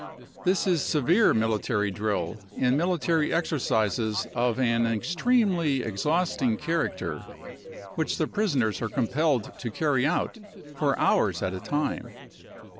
This is severe military drill and military exercises of an extremely ex hausting character, which the prisoners are compelled to carry out for hours at a time.